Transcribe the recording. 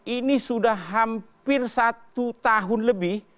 ini sudah hampir satu tahun lebih